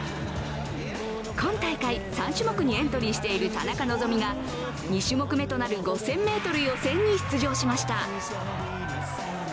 今大会３種目にエントリーしている田中希実が２種目めとなる５０００ｍ予選に出場しました。